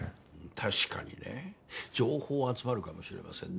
確かにね情報は集まるかもしれませんね。